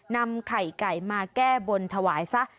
นำไข่ไก่มาแก้บนถวายซะ